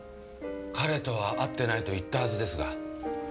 彼とは会ってないと言ったはずですが。